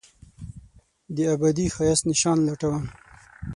دابدي ښایست نشان لټوم